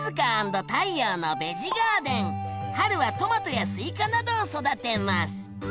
春はトマトやスイカなどを育てます。